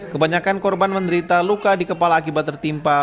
kebanyakan korban menderita luka di kepala akibat tertimpa